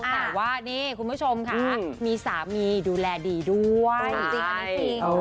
แต่ว่านี่คุณผู้ชมใช้สติสามีดูแลดีด้วย